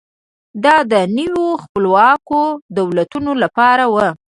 دا د نویو خپلواکو دولتونو لپاره و.